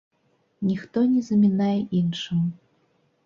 Ніхто не замінае іншаму.